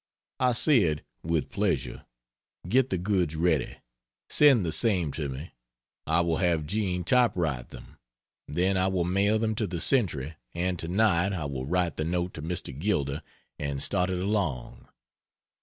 I said "With pleasure: get the goods ready, send the same to me, I will have Jean type write them, then I will mail them to the Century and tonight I will write the note to Mr. Gilder and start it along.